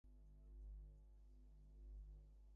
তার প্রতিধ্বনি আমার ধর্মনির রক্ত হিমশীতল করে দিয়ে গেল।